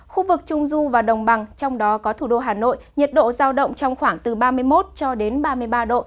khu vực trung du và đồng bằng trong đó có thủ đô hà nội nhiệt độ giao động trong khoảng từ ba mươi một cho đến ba mươi ba độ